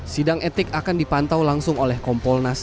sidang etik akan dipantau langsung oleh kompolnas